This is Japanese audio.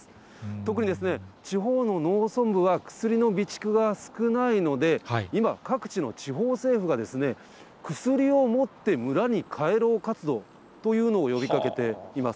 特に地方の農村部は薬の備蓄が本当に少ないので、今、各地の地方政府がですね、薬を持って村に帰ろう活動というのを呼びかけています。